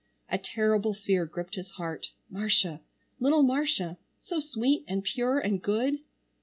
A terrible fear gripped his heart, Marcia, little Marcia, so sweet and pure and good.